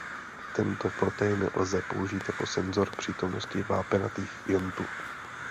Tento protein lze použít jako senzor přítomnosti vápenatých iontů.